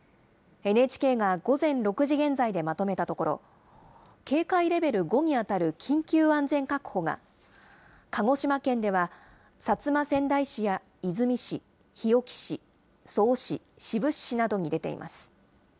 ＮＨＫが午前６時現在でまとめたところ、警戒レベル５に当たる緊急安全確保が、鹿児島県では薩摩川内市や出水市、日置市、曽於市、志布志市などに出ています。